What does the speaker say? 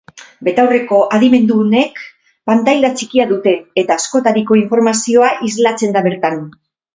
Betaurreko adimendunek pantaila txikia dute, eta askotariko informazioa islatzen da bertan.